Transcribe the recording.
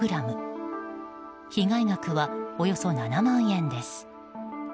被害額はおよそ７万円です。